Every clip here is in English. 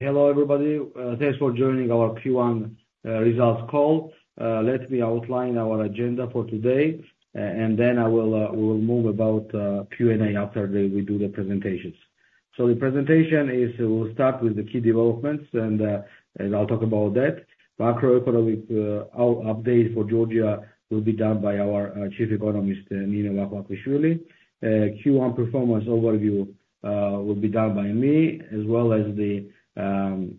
Hello, everybody. Thanks for joining our Q1 results call. Let me outline our agenda for today, and then we will move to Q&A after we do the presentations. So the presentation is we'll start with the key developments, and I'll talk about that. Macroeconomic update for Georgia will be done by our Chief Economist, Nino Vakhvakhishvili. Q1 performance overview will be done by me, as well as, and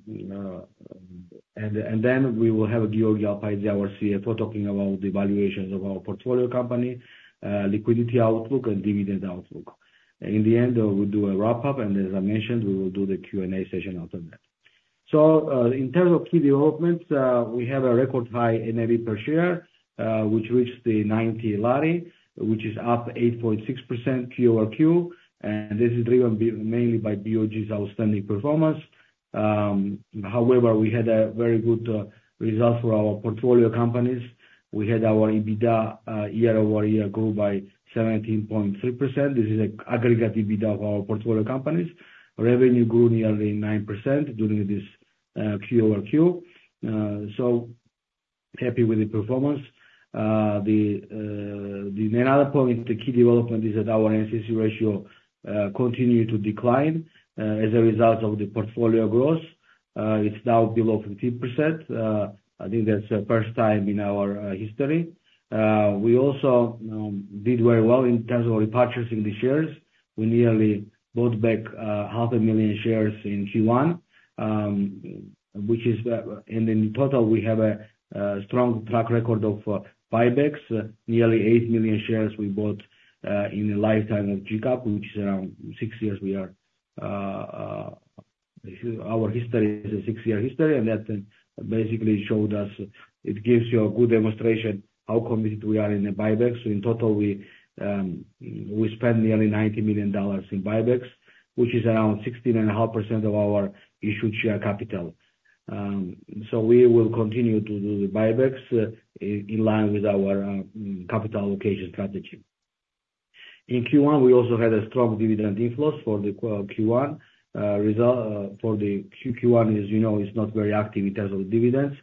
then we will have Giorgi Alpaidze, our CFO, talking about the valuations of our portfolio company, liquidity outlook, and dividend outlook. In the end, we'll do a wrap-up, and as I mentioned, we will do the Q&A session after that. So, in terms of key developments, we have a record high NAV per share, which reached GEL 90, which is up 8.6% Q-over-Q, and this is driven by mainly by BOG's outstanding performance. However, we had a very good result for our portfolio companies. We had our EBITDA year-over-year grew by 17.3%. This is aggregate EBITDA of our portfolio companies. Revenue grew nearly 9% during this QoQ. So happy with the performance. The another point, the key development, is that our NCC ratio continued to decline, as a result of the portfolio growth. It's now below 15%. I think that's the first time in our history. We also did very well in terms of repurchasing the shares. We nearly bought back half a million shares in Q1, which is, and then in total we have a strong track record of buybacks. Nearly 8 million shares we bought in the lifetime of GCap, which is around six years we are, our history is a six-year history, and that basically showed us it gives you a good demonstration how committed we are in the buybacks. So in total we, we spend nearly $90 million in buybacks, which is around 16.5% of our issued share capital. So we will continue to do the buybacks in line with our capital allocation strategy. In Q1 we also had a strong dividend inflows for the Q1 results. For the Q1 is, you know, it's not very active in terms of dividends.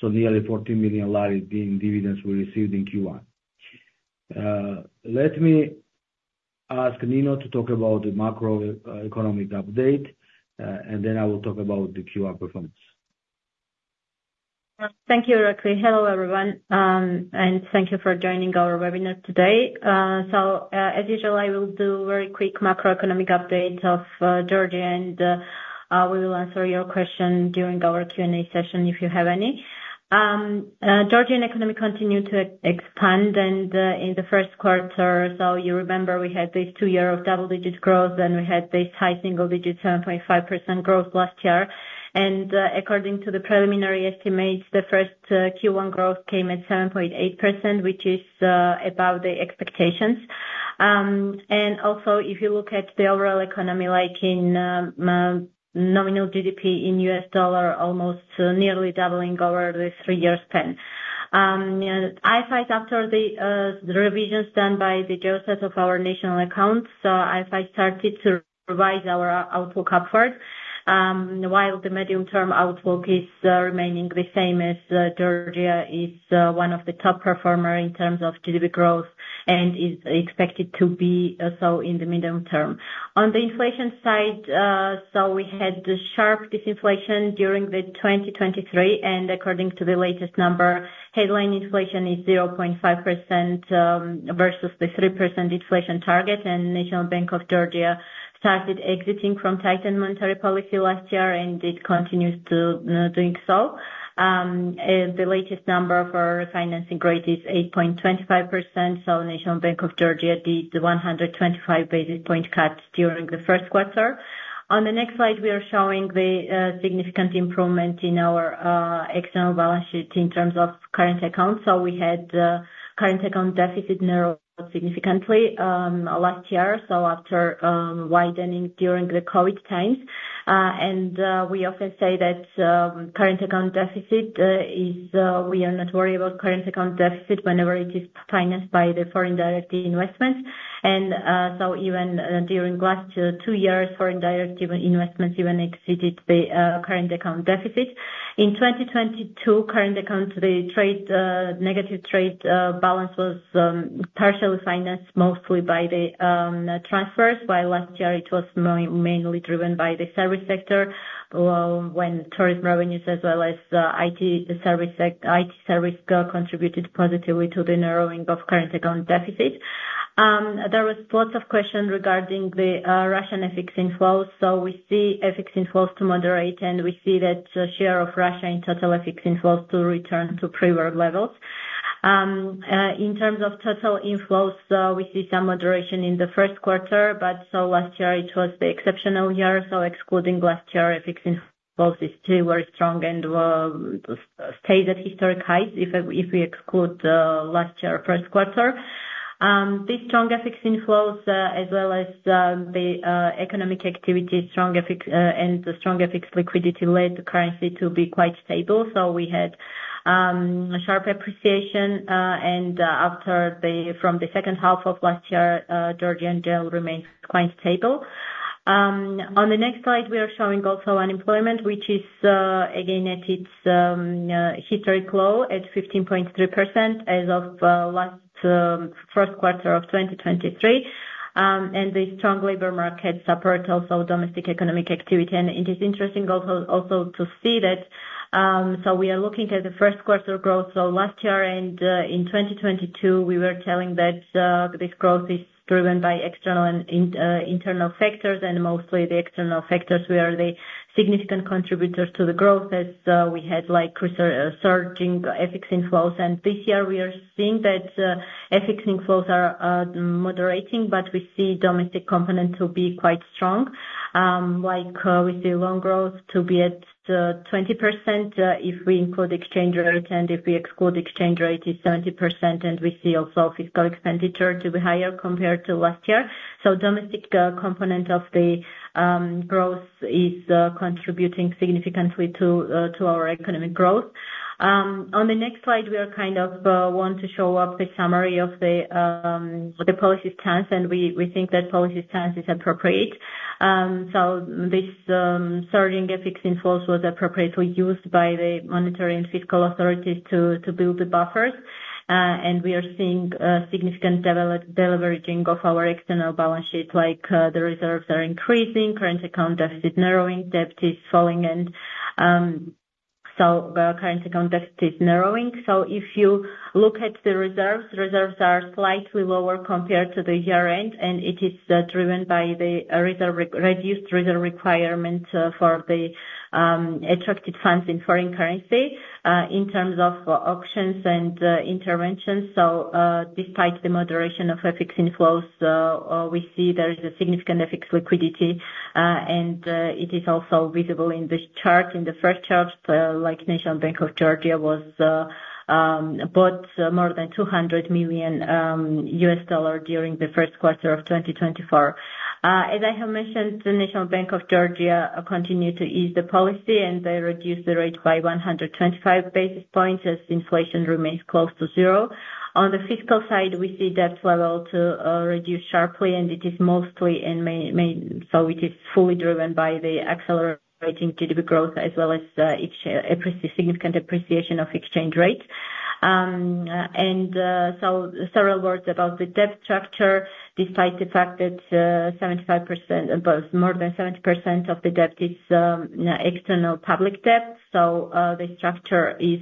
So nearly GEL 14 million in dividends we received in Q1. Let me ask Nino to talk about the macroeconomic update, and then I will talk about the Q1 performance. Thank you, Irakli. Hello everyone, and thank you for joining our webinar today. As usual, I will do a very quick macroeconomic update of Georgia, and we will answer your question during our Q&A session if you have any. The Georgian economy continued to expand, and in the first quarter so you remember we had this two-year period of double-digit growth, and we had this high single-digit 7.5% growth last year. According to the preliminary estimates, the first Q1 growth came at 7.8%, which is above the expectations. Also if you look at the overall economy, like in nominal GDP in U.S. dollar, almost nearly doubling over the three-year span. IFIs after the revisions done by Geostat of our national accounts, so IFIs started to revise our outlook upward, while the medium-term outlook is remaining the same as Georgia is one of the top performer in terms of GDP growth and is expected to be so in the medium term. On the inflation side, we had the sharp disinflation during 2023, and according to the latest number, headline inflation is 0.5%, versus the 3% inflation target, and the National Bank of Georgia started exiting from tightened monetary policy last year and it continues to do so. And the latest number for the financing rate is 8.25%, so the National Bank of Georgia did the 125 basis point cut during the first quarter. On the next slide we are showing the significant improvement in our external balance sheet in terms of current accounts. So we had current account deficit narrowed significantly last year, so after widening during the COVID times. And we often say that current account deficit is we are not worried about current account deficit whenever it is financed by the foreign direct investments, and so even during last two years foreign direct investments even exceeded the current account deficit. In 2022 current account the negative trade balance was partially financed mostly by the transfers, while last year it was mainly driven by the service sector, when tourism revenues as well as IT services contributed positively to the narrowing of current account deficit. There were lots of questions regarding the Russian FX inflows, so we see FX inflows to moderate, and we see that the share of Russia in total FX inflows to return to pre-war levels. In terms of total inflows, we see some moderation in the first quarter, but last year it was the exceptional year, so excluding last year FX inflows is still very strong and stays at historic highs if we exclude last year's first quarter. These strong FX inflows, as well as the strong economic activity and the strong FX liquidity led the currency to be quite stable, so we had sharp appreciation, and after that from the second half of last year, the Georgian Lari remains quite stable. On the next slide we are showing also unemployment, which is again at its historic low at 15.3% as of the first quarter of 2023, and the strong labor market supports also domestic economic activity. And it is interesting also to see that, so we are looking at the first quarter growth so last year and, in 2022 we were telling that, this growth is driven by external and internal factors, and mostly the external factors were the significant contributors to the growth as, we had, like, tremendous surging FX inflows. And this year we are seeing that, FX inflows are moderating, but we see domestic component to be quite strong. Like, we see loan growth to be at 20%, if we include exchange rate and if we exclude exchange rate is 70%, and we see also fiscal expenditure to be higher compared to last year. So domestic component of the growth is contributing significantly to our economic growth. On the next slide, we kind of want to show the summary of the policy stance, and we think that policy stance is appropriate. So this surging FX inflows was appropriately used by the monetary and fiscal authorities to build the buffers, and we are seeing significant deleveraging of our external balance sheet, like, the reserves are increasing, current account deficit narrowing, debt is falling, and so current account deficit is narrowing. So if you look at the reserves, reserves are slightly lower compared to the year-end, and it is driven by the reduced reserve requirement for the attracted funds in foreign currency, in terms of options and interventions. So, despite the moderation of FX inflows, we see there is a significant FX liquidity, and it is also visible in this chart. In the first chart, like, the National Bank of Georgia bought more than $200 million during the first quarter of 2024. As I have mentioned, the National Bank of Georgia continued to ease the policy, and they reduced the rate by 125 basis points as inflation remains close to 0%. On the fiscal side we see debt level to reduce sharply, and it is mostly in main so it is fully driven by the accelerating GDP growth as well as significant appreciation of exchange rate. So several words about the debt structure. Despite the fact that 75% above more than 70% of the debt is external public debt, so the structure is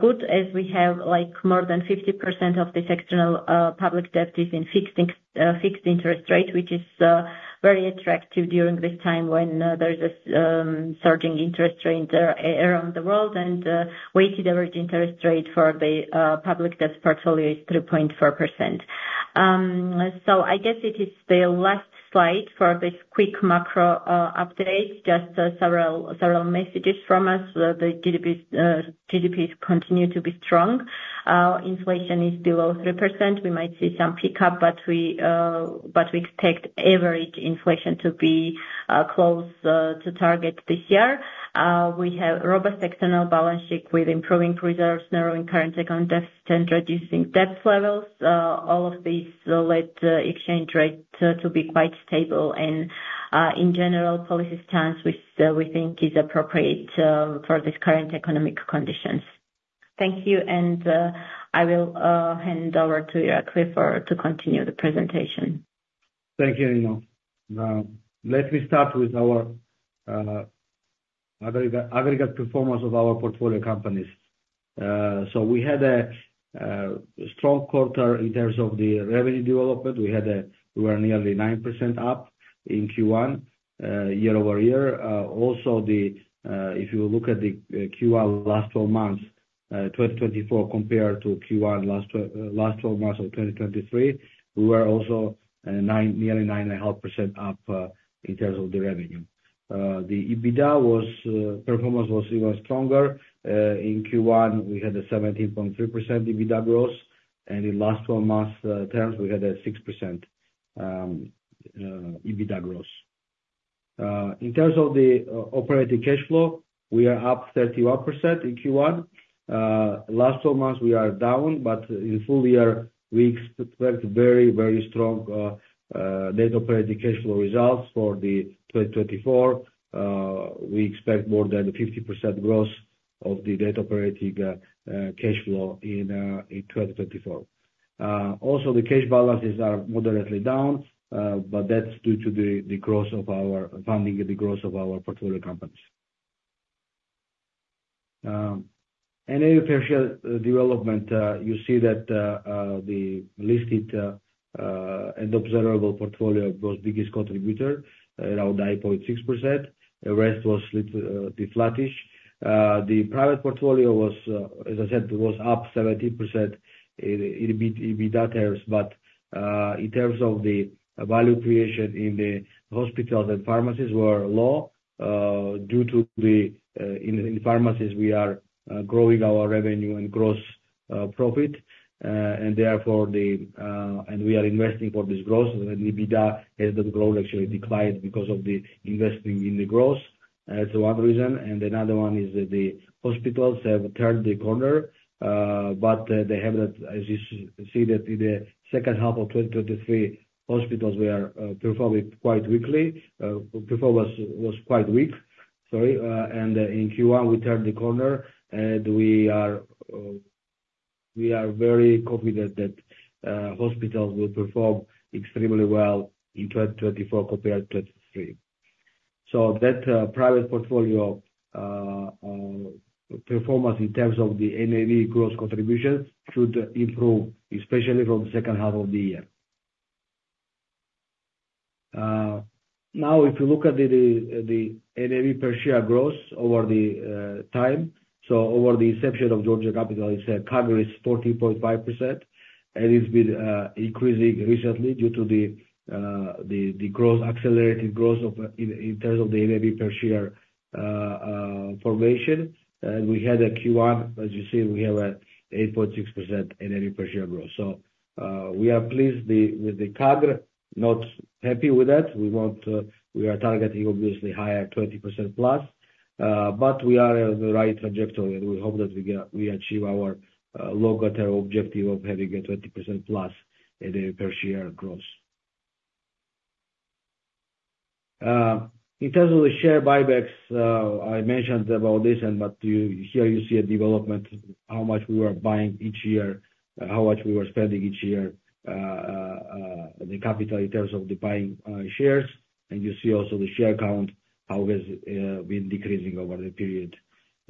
good as we have, like, more than 50% of this external public debt is in fixed interest rate, which is very attractive during this time when there is a surging interest rate around the world, and weighted average interest rate for the public debt portfolio is 3.4%. So I guess it is the last slide for this quick macro update. Just several messages from us. The GDP is continued to be strong. Inflation is below 3%. We might see some pickup, but we expect average inflation to be close to target this year. We have robust external balance sheet with improving reserves, narrowing current account deficit, and reducing debt levels. All of these led exchange rate to be quite stable, and in general policy stance which we think is appropriate for these current economic conditions. Thank you, and I will hand over to Irakli for to continue the presentation. Thank you, Nino. Let me start with our aggregate performance of our portfolio companies. So we had a strong quarter in terms of the revenue development. We were nearly 9% up in Q1, year-over-year. Also, if you look at the Q1 last 12 months 2024 compared to Q1 last 12 months of 2023, we were also nearly 9.5% up in terms of the revenue. The EBITDA performance was even stronger. In Q1 we had a 17.3% EBITDA growth, and in last 12 months terms we had a 6% EBITDA growth. In terms of the operating cash flow we are up 31% in Q1. Last 12 months we are down, but in full year we expect very, very strong net operating cash flow results for 2024. We expect more than 50% growth of the net operating cash flow in 2024. Also the cash balances are moderately down, but that's due to the growth of our funding the growth of our portfolio companies. And in terms of share development, you see that the listed and observable portfolio was biggest contributor, around 9.6%. The rest was little deflatish. The private portfolio was, as I said, up 70% in EBITDA terms, but in terms of the value creation in the hospitals and pharmacies were low, due to the in pharmacies we are growing our revenue and gross profit, and therefore the and we are investing for this growth. And EBITDA has not grown actually declined because of the investing in the growth. That's one reason. Another one is that the hospitals have turned the corner, but as you see that in the second half of 2023 hospitals were performing quite weakly. Performance was quite weak, sorry. And in Q1 we turned the corner, and we are very confident that hospitals will perform extremely well in 2024 compared to 2023. So that private portfolio performance in terms of the NAV gross contribution should improve especially from the second half of the year. Now if you look at the NAV per share growth over time so over the inception of Georgia Capital its CAGR is 14.5%, and it's been increasing recently due to the accelerated growth in terms of the NAV per share formation. And we had a Q1 as you see we have a 8.6% NAV per share growth. So, we are pleased with the CAGR, not happy with that. We want, we are targeting obviously higher 20%+, but we are on the right trajectory, and we hope that we achieve our longer-term objective of having a 20%+ NAV per share growth. In terms of the share buybacks, I mentioned about this, but you see a development how much we were buying each year, how much we were spending each year, the capital in terms of the buying shares, and you see also the share count how it has been decreasing over the period.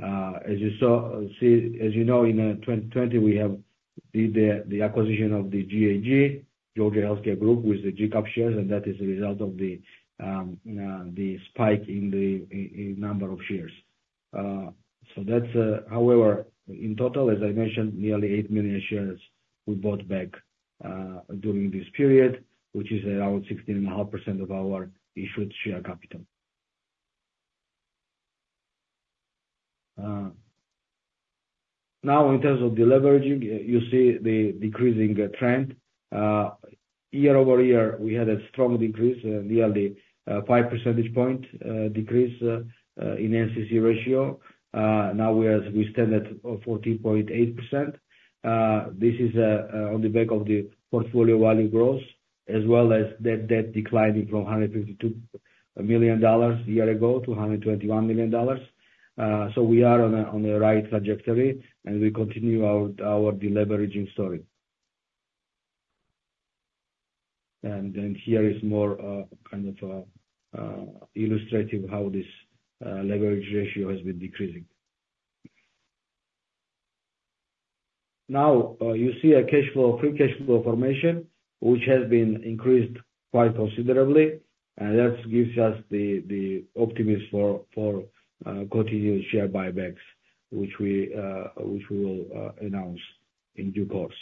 As you saw, as you know in 2020 we did the acquisition of the GHG, Georgia Healthcare Group, with the Georgia Capital shares, and that is the result of the spike in the number of shares. So that's, however, in total as I mentioned nearly 8 million shares we bought back during this period, which is around 16.5% of our issued share capital. Now in terms of the leveraging you see the decreasing trend. Year-over-year we had a strong decrease, nearly 5 percentage point decrease in NCC ratio. Now we stand at 14.8%. This is on the back of the portfolio value growth as well as debt declining from $152 million a year ago to $121 million. So we are on a right trajectory, and we continue our deleveraging story. And here is more, kind of, illustrative how this leverage ratio has been decreasing. Now, you see a cash flow free cash flow formation which has been increased quite considerably, and that gives us the optimism for continued share buybacks which we will announce in due course.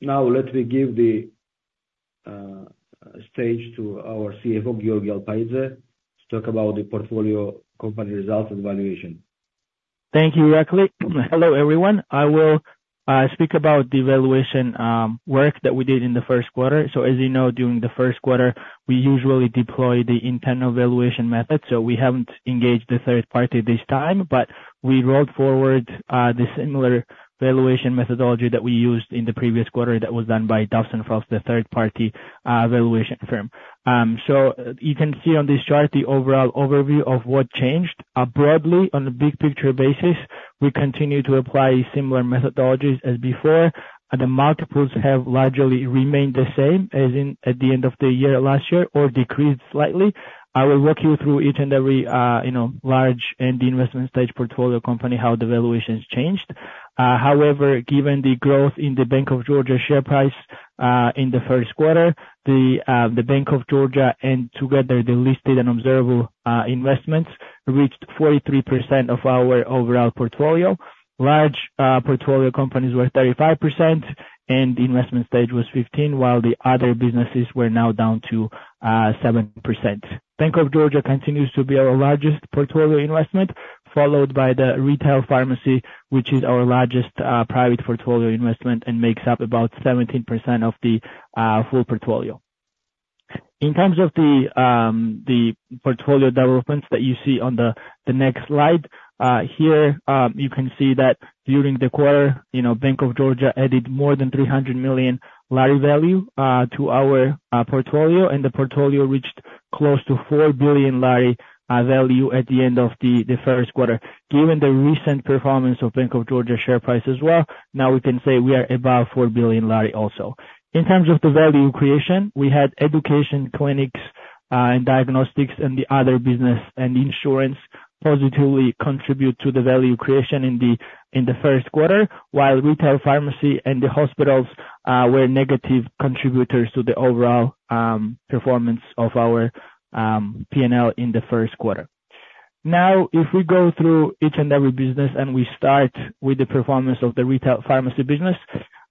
Now let me give the stage to our CFO Giorgi Alpaidze to talk about the portfolio company results and valuation. Thank you, Irakli. Hello everyone. I will speak about the valuation work that we did in the first quarter. So as you know, during the first quarter we usually deploy the internal valuation method, so we haven't engaged a third party this time, but we rolled forward the similar valuation methodology that we used in the previous quarter that was done by Duff & Phelps, the third-party valuation firm. So you can see on this chart the overall overview of what changed. Broadly, on a big picture basis, we continue to apply similar methodologies as before. The multiples have largely remained the same as in at the end of the year last year or decreased slightly. I will walk you through each and every, you know, large end investment stage portfolio company how the valuations changed. However, given the growth in the Bank of Georgia share price, in the first quarter the Bank of Georgia and together the listed and observable investments reached 43% of our overall portfolio. Large portfolio companies were 35%, and the investment stage was 15% while the other businesses were now down to 7%. Bank of Georgia continues to be our largest portfolio investment followed by the retail pharmacy which is our largest private portfolio investment and makes up about 17% of the full portfolio. In terms of the portfolio developments that you see on the next slide, here, you can see that during the quarter, you know, Bank of Georgia added more than GEL 300 million value to our portfolio, and the portfolio reached close to GEL 4 billion value at the end of the first quarter. Given the recent performance of Bank of Georgia share price as well, now we can say we are above GEL 4 billion also. In terms of the value creation, we had education, clinics, and diagnostics, and the other business and insurance positively contribute to the value creation in the first quarter while retail pharmacy and the hospitals were negative contributors to the overall performance of our P&L in the first quarter. Now if we go through each and every business and we start with the performance of the retail pharmacy business,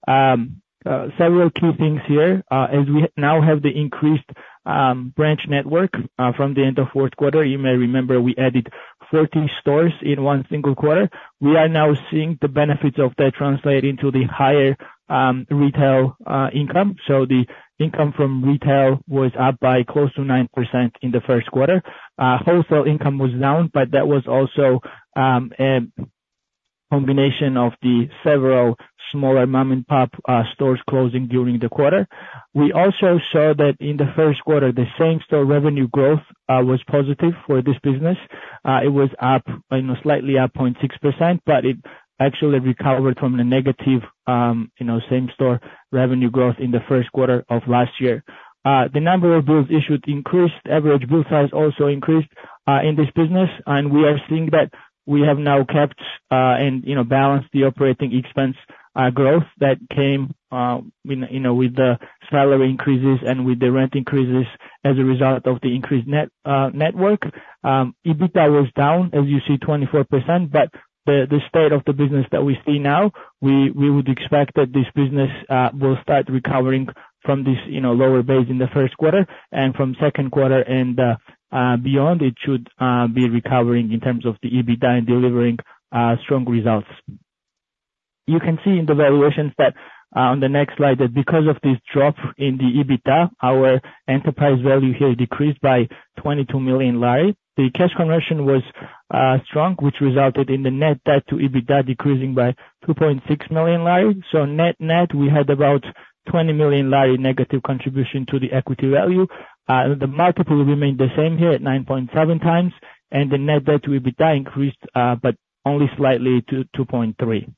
several key things here. As we now have the increased branch network from the end of fourth quarter, you may remember we added 40 stores in one single quarter. We are now seeing the benefits of that translate into the higher retail income. So the income from retail was up by close to 9% in the first quarter. Wholesale income was down, but that was also a combination of the several smaller mom-and-pop stores closing during the quarter. We also saw that in the first quarter the same store revenue growth was positive for this business. It was up, you know, slightly up 0.6%, but it actually recovered from the negative, you know, same store revenue growth in the first quarter of last year. The number of bills issued increased. Average bill size also increased in this business, and we are seeing that we have now kept, and, you know, balanced the operating expense growth that came with, you know, the salary increases and the rent increases as a result of the increased network. EBITDA was down as you see 24%, but the state of the business that we see now we would expect that this business will start recovering from this, you know, lower base in the first quarter, and from second quarter and beyond it should be recovering in terms of the EBITDA and delivering strong results. You can see in the valuations that on the next slide that because of this drop in the EBITDA our enterprise value here decreased by GEL 22 million. The cash conversion was strong which resulted in the net debt to EBITDA decreasing by GEL 2.6 million. So net net we had about GEL 20 million negative contribution to the equity value. The multiple remained the same here at 9.7x, and the net debt to EBITDA increased but only slightly to 2.3x.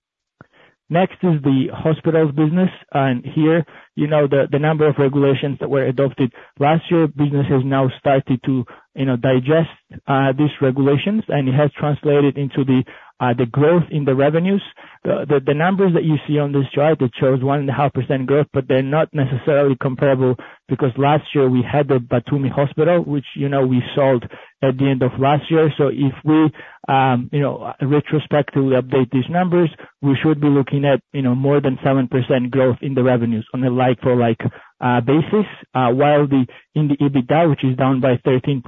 Next is the hospitals business, and here, you know, the number of regulations that were adopted last year business has now started to, you know, digest these regulations, and it has translated into the growth in the revenues. The numbers that you see on this chart that shows 1.5% growth, but they're not necessarily comparable because last year we had the Batumi Hospital which, you know, we sold at the end of last year. So if we, you know, retrospectively update these numbers we should be looking at, you know, more than 7% growth in the revenues on a like-for-like basis, while in the EBITDA which is down by 13%,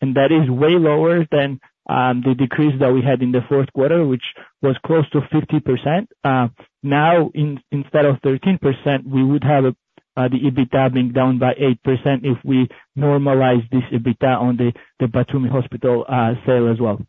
and that is way lower than the decrease that we had in the fourth quarter which was close to 50%. Now in, instead of 13% we would have a, the EBITDA being down by 8% if we normalize this EBITDA on the Batumi Hospital sale as well.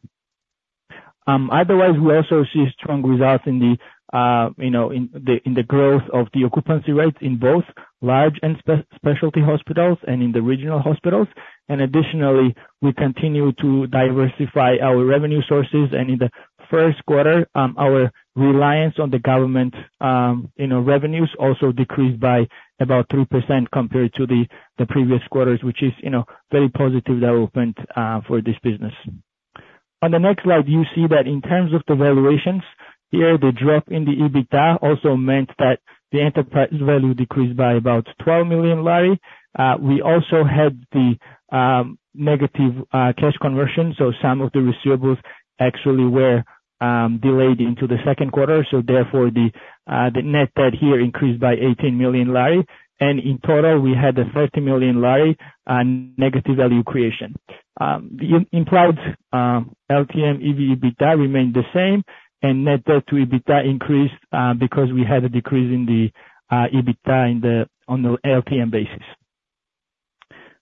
Otherwise we also see strong results in the, you know, in the growth of the occupancy rates in both large and specialty hospitals and in the regional hospitals. And additionally we continue to diversify our revenue sources, and in the first quarter, our reliance on the government, you know, revenues also decreased by about 3% compared to the previous quarters which is, you know, very positive development for this business. On the next slide you see that in terms of the valuations here the drop in the EBITDA also meant that the enterprise value decreased by about GEL 12 million. We also had the negative cash conversion, so some of the receivables actually were delayed into the second quarter, so therefore the net debt here increased by GEL 18 million. In total we had a GEL 30 million negative value creation. The implied LTM EV/EBITDA remained the same, and net debt to EBITDA increased because we had a decrease in the EBITDA on the LTM basis.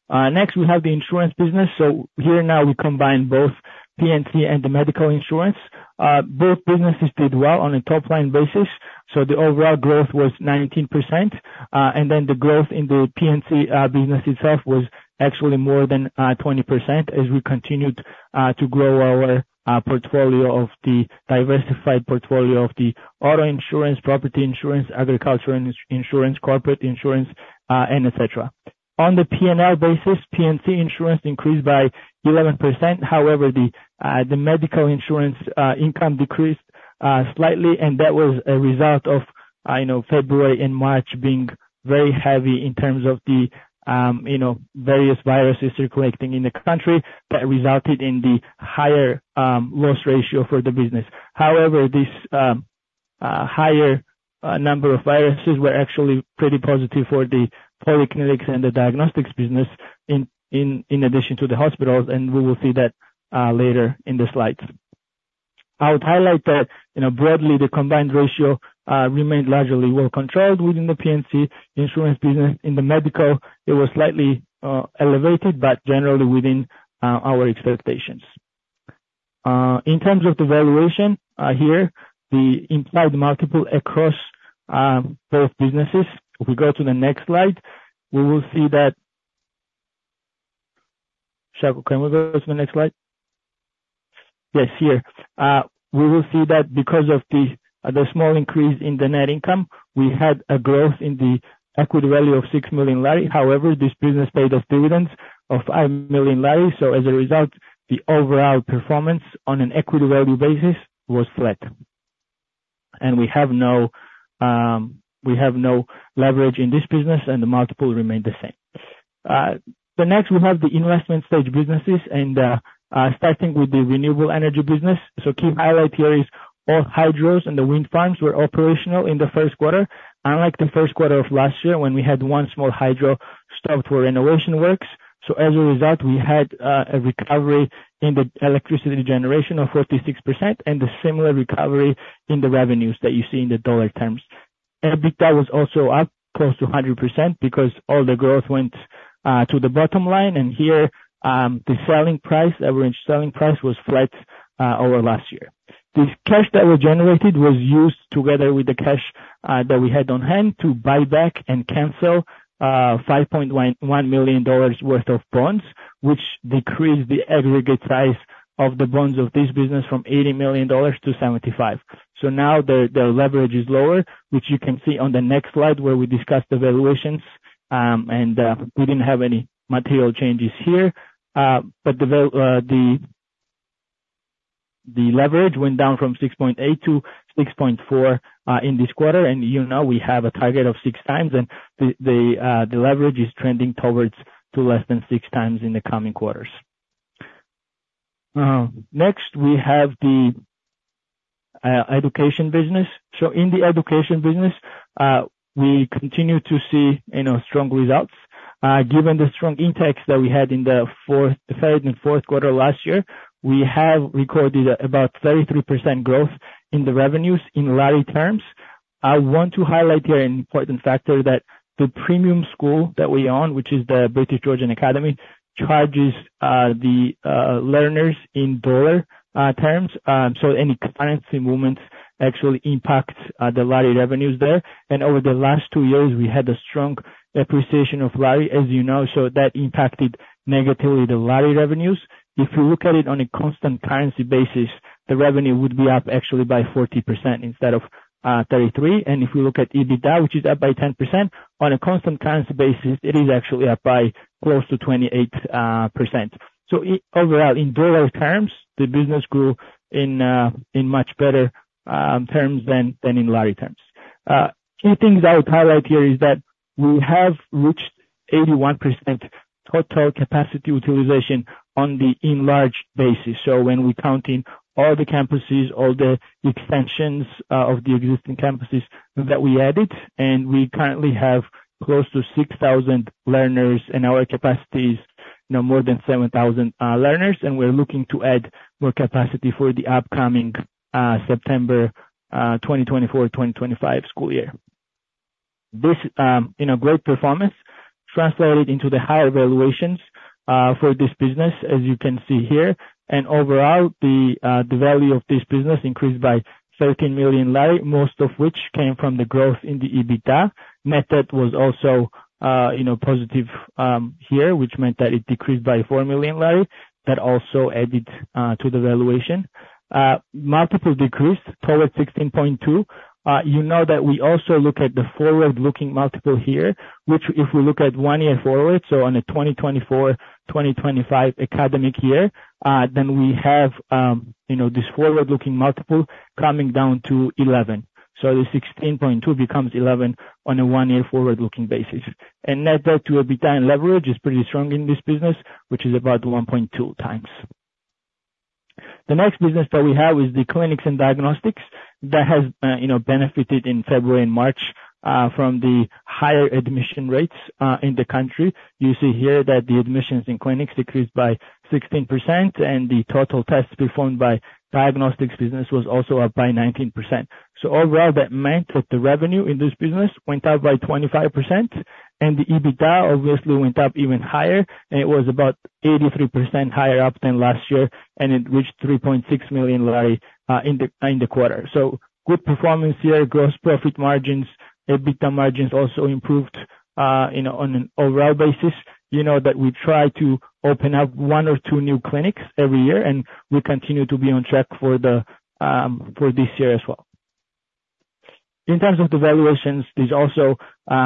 Next we have the insurance business. So here now we combine both P&C and the medical insurance. Both businesses did well on a top-line basis, so the overall growth was 19%, and then the growth in the P&C business itself was actually more than 20% as we continued to grow our portfolio of the diversified portfolio of the auto insurance, property insurance, agriculture insurance, corporate insurance, and etc. On the P&L basis, P&C insurance increased by 11%, however the medical insurance income decreased slightly, and that was a result of, you know, February and March being very heavy in terms of the, you know, various viruses circulating in the country that resulted in the higher loss ratio for the business. However this higher number of viruses were actually pretty positive for the polyclinics and the diagnostics business in addition to the hospitals, and we will see that later in the slides. I would highlight that, you know, broadly the combined ratio remained largely well-controlled within the P&C insurance business. In the medical it was slightly elevated, but generally within our expectations. In terms of the valuation, here the implied multiple across both businesses if we go to the next slide we will see that Shako Bukia, can we go to the next slide? Yes, here. We will see that because of the small increase in the net income we had a growth in the equity value of GEL 6 million, however this business paid us dividends of GEL 5 million, so as a result the overall performance on an equity value basis was flat. We have no leverage in this business, and the multiple remained the same. The next we have the investment stage businesses, starting with the renewable energy business. So key highlight here is all hydros and the wind farms were operational in the first quarter. Unlike the first quarter of last year when we had one small hydro stopped for renovation works, so as a result we had a recovery in the electricity generation of 46% and a similar recovery in the revenues that you see in the dollar terms. EBITDA was also up close to 100% because all the growth went to the bottom line, and here, the selling price average selling price was flat over last year. The cash that was generated was used together with the cash that we had on hand to buy back and cancel $5.1 million worth of bonds which decreased the aggregate size of the bonds of this business from $80 million to $75 million. So now their leverage is lower which you can see on the next slide where we discussed the valuations, and we didn't have any material changes here. But the leverage went down from 6.8x to 6.4x in this quarter, and you know we have a target of six times, and the leverage is trending towards less than six times in the coming quarters. Next we have the education business. So in the education business, we continue to see, you know, strong results. Given the strong index that we had in the fourth the third and fourth quarter last year we have recorded about 33% growth in the revenues in lari terms. I want to highlight here an important factor that the premium school that we own which is the British Georgian Academy charges, the, learners in dollar, terms, so any currency movements actually impact, the lari revenues there. And over the last two years we had a strong appreciation of lari as you know, so that impacted negatively the lari revenues. If you look at it on a constant currency basis the revenue would be up actually by 40% instead of, 33%, and if you look at EBITDA which is up by 10% on a constant currency basis it is actually up by close to 28%. So overall in dollar terms the business grew in much better terms than in lari terms. Key things I would highlight here is that we have reached 81% total capacity utilization on the enlarged basis, so when we count in all the campuses, all the extensions of the existing campuses that we added, and we currently have close to 6,000 learners in our capacities, you know, more than 7,000 learners, and we're looking to add more capacity for the upcoming September 2024-2025 school year. This, you know, great performance translated into the higher valuations for this business as you can see here, and overall the value of this business increased by GEL 13 million, most of which came from the growth in the EBITDA. Net debt was also, you know, positive here which meant that it decreased by GEL 4 million that also added to the valuation. Multiple decreased towards 16.2. You know that we also look at the forward-looking multiple here which if we look at one year forward, so on a 2024-2025 academic year, then we have, you know, this forward-looking multiple coming down to 11. So the 16.2 becomes 11 on a one-year forward-looking basis. And net debt to EBITDA and leverage is pretty strong in this business which is about 1.2x. The next business that we have is the clinics and diagnostics that has, you know, benefited in February and March, from the higher admission rates, in the country. You see here that the admissions in clinics decreased by 16%, and the total tests performed by diagnostics business was also up by 19%. Overall that meant that the revenue in this business went up by 25%, and the EBITDA obviously went up even higher, and it was about 83% higher up than last year, and it reached GEL 3.6 million in the quarter. So good performance here, gross profit margins, EBITDA margins also improved, you know, on an overall basis. You know that we try to open up one or two new clinics every year, and we continue to be on track for the, for this year as well. In terms of the valuations this also,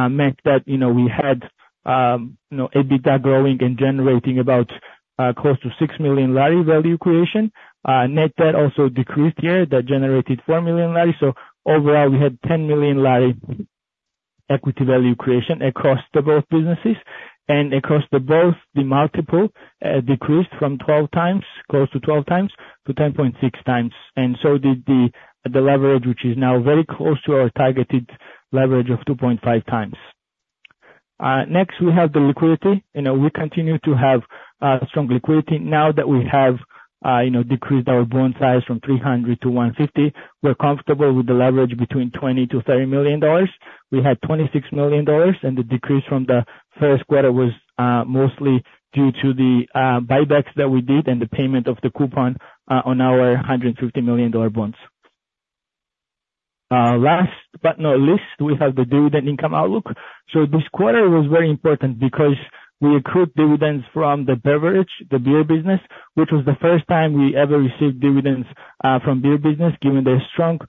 meant that, you know, we had, you know, EBITDA growing and generating about, close to GEL 6 million value creation. Net debt also decreased here that generated GEL 4 million, so overall we had GEL 10 million equity value creation across the both businesses. Across both the multiple, decreased from 12x, close to 12x, to 10.6x, and so did the, the leverage which is now very close to our targeted leverage of 2.5x. Next, we have the liquidity. You know, we continue to have strong liquidity. Now that we have, you know, decreased our bond size from $300 million to $150 million, we're comfortable with the leverage between $20 million-$30 million. We had $26 million, and the decrease from the first quarter was, mostly due to the, buybacks that we did and the payment of the coupon, on our $150 million bonds. Last but not least, we have the dividend income outlook. So this quarter was very important because we accrued dividends from the beverage, the beer business, which was the first time we ever received dividends from beer business given their strong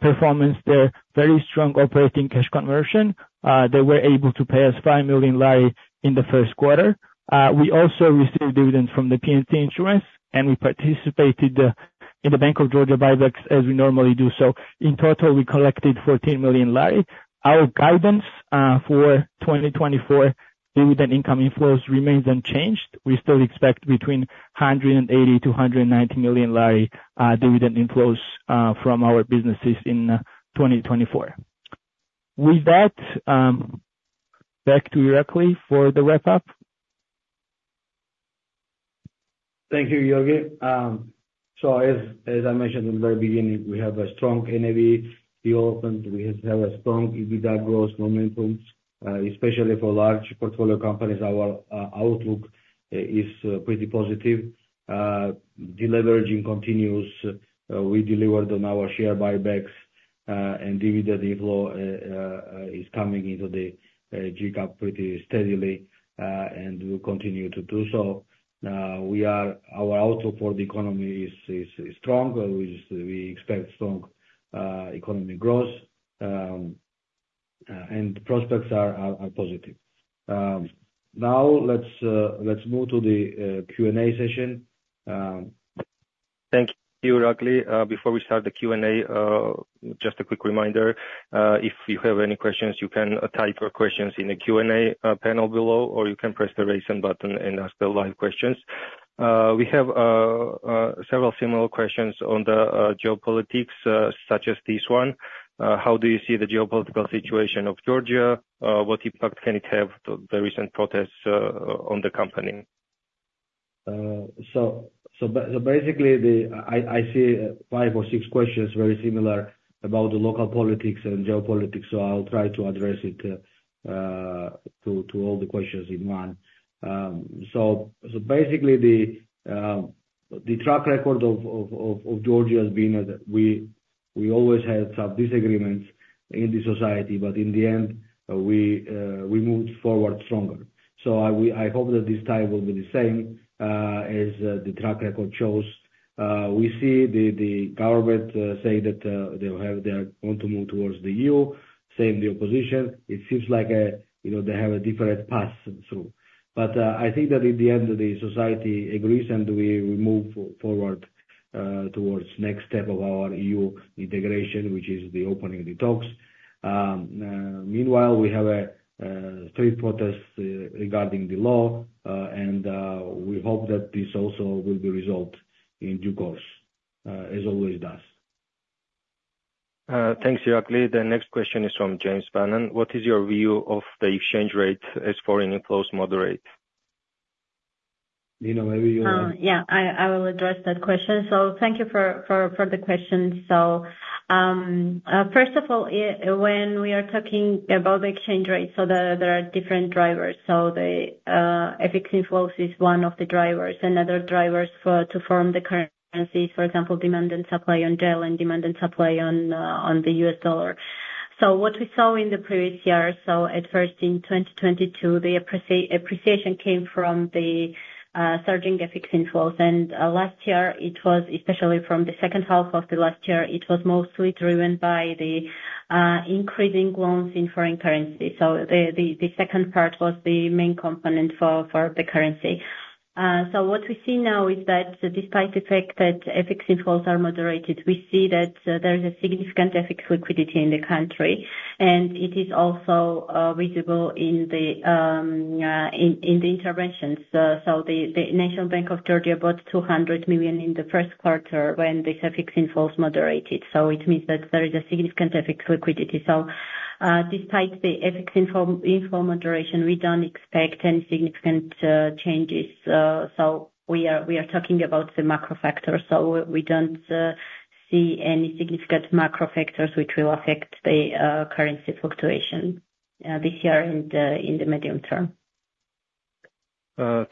performance, their very strong operating cash conversion. They were able to pay us GEL 5 million in the first quarter. We also received dividends from the P&C insurance, and we participated in the Bank of Georgia buybacks as we normally do. So in total we collected GEL 14 million. Our guidance for 2024 dividend income inflows remains unchanged. We still expect between GEL 180 million-GEL 190 million dividend inflows from our businesses in 2024. With that, back to Irakli for the wrap-up. Thank you, Giorgi. So as, as I mentioned in the very beginning we have a strong NAV development. We have a strong EBITDA growth momentum, especially for large portfolio companies. Our outlook is pretty positive. The leveraging continues. We delivered on our share buybacks, and dividend inflow is coming into the GCap pretty steadily, and will continue to do so. Our outlook for the economy is strong. We expect strong economic growth, and prospects are positive. Now let's move to the Q&A session. Thank you, Irakli. Before we start the Q&A, just a quick reminder. If you have any questions, you can type your questions in the Q&A panel below, or you can press the raise hand button and ask live questions. We have several similar questions on the geopolitics, such as this one. How do you see the geopolitical situation of Georgia? What impact can it have on the recent protests on the company? So, basically, I see five or six questions very similar about the local politics and geopolitics, so I'll try to address it to all the questions in one. So, basically, the track record of Georgia has been that we always had some disagreements in the society, but in the end we moved forward stronger. So, I hope that this time will be the same, as the track record shows. We see the government say that they are going to move towards the EU, same the opposition. It seems like, you know, they have a different path through. But, I think that in the end the society agrees, and we move forward, towards next step of our EU integration which is the opening the talks. Meanwhile we have a street protest regarding the law, and we hope that this also will be resolved in due course, as always does. Thanks, Irakli. The next question is from James Bannon. What is your view of the exchange rate as foreign inflows moderate? Nino, maybe you'll. Yeah, I will address that question. So thank you for the question. So, first of all, when we are talking about the exchange rate, so there are different drivers. So the FX inflows is one of the drivers. Another drivers for to form the currencies, for example, demand and supply on GEL and demand and supply on the U.S. dollar. So what we saw in the previous year, so at first in 2022 the appreciation came from the surging FX inflows, and last year it was especially from the second half of the last year it was mostly driven by the increasing loans in foreign currency. So the second part was the main component for the currency. So what we see now is that despite the fact that FX inflows are moderated we see that there is a significant FX liquidity in the country, and it is also visible in the interventions. So the National Bank of Georgia bought $200 million in the first quarter when these FX inflows moderated, so it means that there is a significant FX liquidity. So, despite the FX inflow moderation we don't expect any significant changes. So we are, we are talking about the macro factors, so we, we don't see any significant macro factors which will affect the currency fluctuation this year and in the medium term.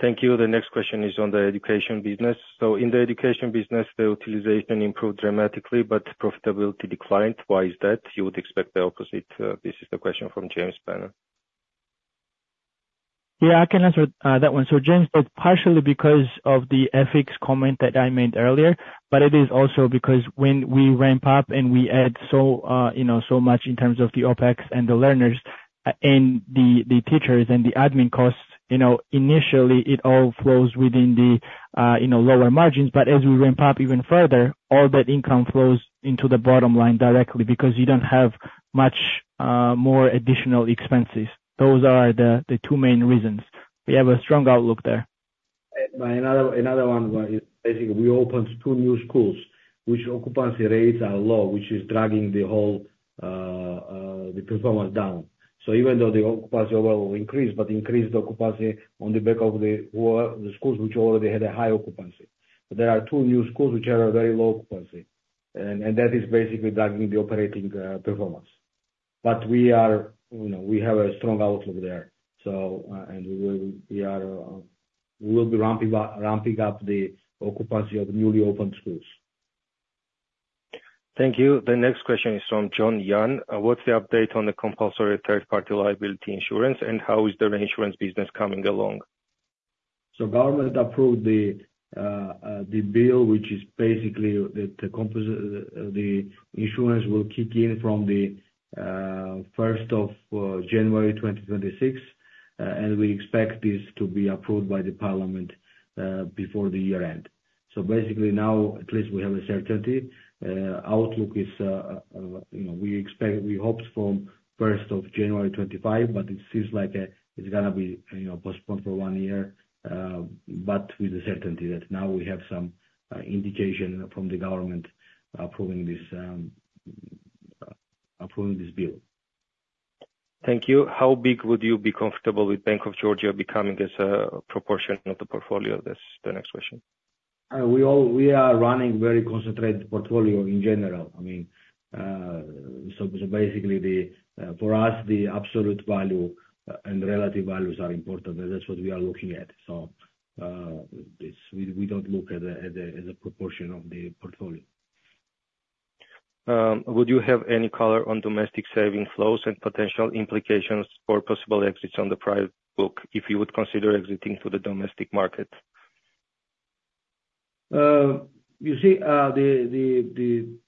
Thank you. The next question is on the education business. So in the education business the utilization improved dramatically but profitability declined. Why is that? You would expect the opposite. This is the question from James Bannon. Yeah, I can answer that one. So James said partially because of the FX comment that I made earlier, but it is also because when we ramp up and we add so, you know, so much in terms of the OpEx and the learners and the teachers and the admin costs, you know, initially it all flows within the, you know, lower margins, but as we ramp up even further all that income flows into the bottom line directly because you don't have much more additional expenses. Those are the two main reasons. We have a strong outlook there. And another one is basically we opened two new schools which occupancy rates are low which is dragging the whole performance down. So even though the occupancy overall increased but increased occupancy on the back of the schools which already had a high occupancy. But there are two new schools which have a very low occupancy, and that is basically dragging the operating performance. But we are, you know, we have a strong outlook there, so, and we will be ramping up the occupancy of newly opened schools. Thank you. The next question is from John Yan. What's the update on the compulsory third-party liability insurance, and how is the reinsurance business coming along? So the government approved the bill which is basically that the compulsory insurance will kick in from the 1st of January 2026, and we expect this to be approved by the Parliament before the year-end. So basically now at least we have a certainty. Outlook is, you know, we expect we hoped from 1st of January 2025, but it seems like it's going to be, you know, postponed for one year, but with the certainty that now we have some indication from the government approving this, approving this bill. Thank you. How big would you be comfortable with Bank of Georgia becoming as a proportion of the portfolio? That's the next question. We are running very concentrated portfolio in general. I mean, so basically the, for us the absolute value and relative values are important. That's what we are looking at. So, it's. We don't look at the as a proportion of the portfolio. Would you have any color on domestic saving flows and potential implications for possible exits on the private book if you would consider exiting to the domestic market? You see, the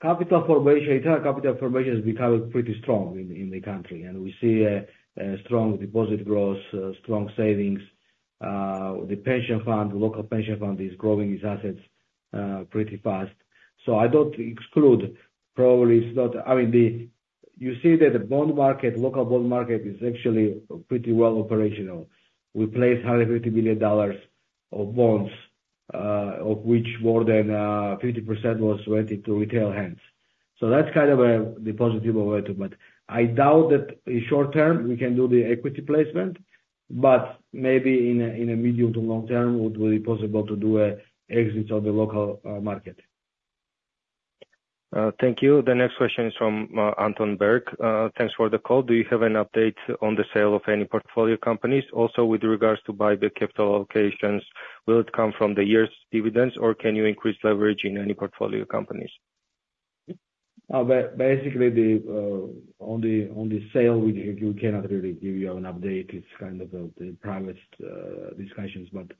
capital formation itself is becoming pretty strong in the country, and we see a strong deposit growth, strong savings. The pension fund, the local pension fund is growing its assets pretty fast. So I don't exclude, probably it's not—I mean, you see that the bond market, local bond market is actually pretty well operational. We placed $150 million of bonds, of which more than 50% was rented to retail hands. So that's kind of the positive over it, but I doubt that in short term we can do the equity placement, but maybe in a medium- to long-term would be possible to do an exit of the local market. Thank you. The next question is from Anton Berg. Thanks for the call. Do you have an update on the sale of any portfolio companies? Also with regards to buyback capital allocations, will it come from the year's dividends, or can you increase leverage in any portfolio companies? Basically, on the sale we cannot really give you an update. It's kind of private discussions, but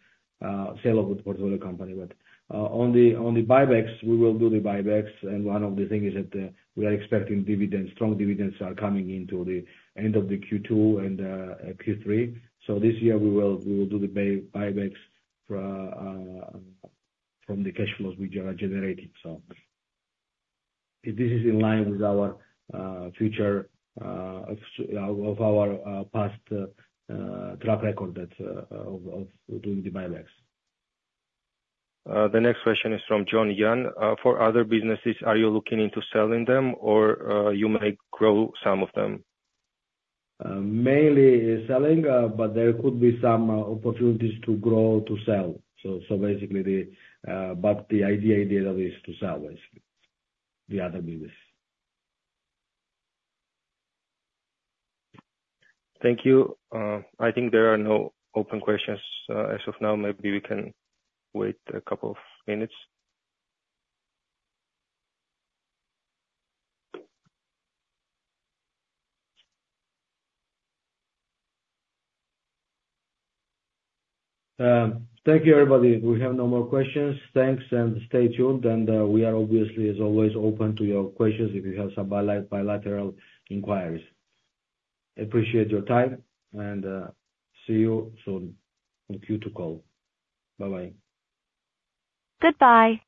sale of the portfolio company. But on the buybacks we will do the buybacks, and one of the things is that we are expecting strong dividends coming into the end of the Q2 and Q3. So this year we will do the buybacks from the cash flows which are generating. This is in line with our past track record of doing the buybacks. The next question is from John Yan. For other businesses are you looking into selling them, or you may grow some of them? Mainly selling, but there could be some opportunities to grow to sell. So basically the, but the idea of it is to sell basically the other businesses. Thank you. I think there are no open questions, as of now. Maybe we can wait a couple of minutes. Thank you everybody. We have no more questions. Thanks, and stay tuned, and we are obviously as always open to your questions if you have some bilateral inquiries. Appreciate your time, and see you soon. Thank you to call. Bye-bye. Goodbye.